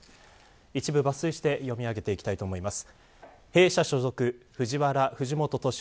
一部抜粋して読み上げていきたいと思います。